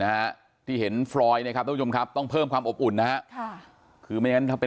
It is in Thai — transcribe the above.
นี่นะฮะที่เห็นฟรอยน์นะครับต้องคุณผู้ชมครับต้องเพิ่มความอบอุ่นนะฮะ